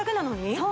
そう